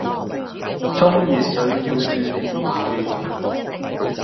沖熱水要注意煤氣中毒